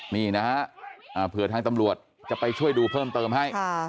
นี่นะฮะเผื่อทางตำรวจจะไปช่วยดูเพิ่มเติมให้